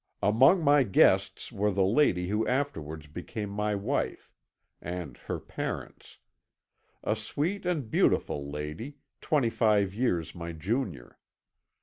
"Among my guests were the lady who afterwards became my wife, and her parents. A sweet and beautiful lady, twenty five years my junior.